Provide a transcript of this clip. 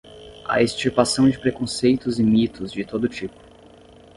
a extirpação de preconceitos e mitos de todo tipo